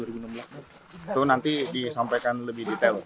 itu nanti disampaikan lebih detail